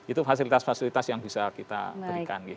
itu fasilitas fasilitas yang bisa kita berikan